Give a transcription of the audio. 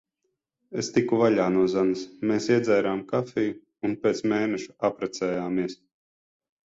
Es tiku vaļā no Zanes. Mēs iedzērām kafiju. Un pēc mēneša apprecējāmies.